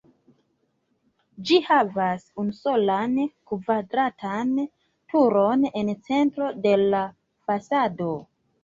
Ĝi havas unusolan kvadratan turon en centro de la fasado.